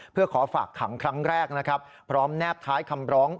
เพื่อขอฝากขังครั้งแรกนะครับพร้อมแนบท้ายคำร้อง